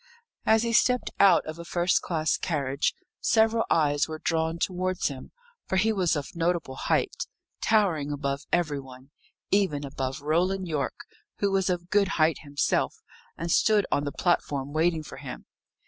As he stepped out of a first class carriage, several eyes were drawn towards him, for he was of notable height, towering above every one; even above Roland Yorke, who was of good height himself, and stood on the platform waiting for him.